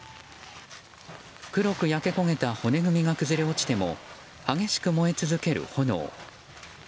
黒く焼け焦げた骨組みが崩れ落ちても激しく燃え続ける炎。